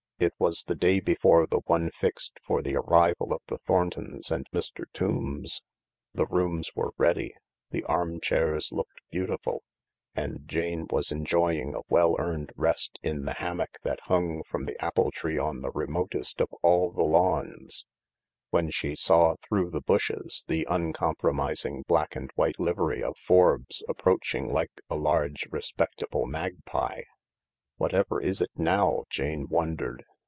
It was the day before the one fixed for the arrival of the Thorntons and Mr. Tombs. The rooms were ready, the arm chairs looked beautiful, and Jane was enjoying a well earned rest in the hammock that hung from the apple tree on the remotest of all the lawns, when she saw through the bushes the uncompromising black and white livery of Forbes approaching like a large, respectable magpie. " Whatever is it now ?" Jane wondered.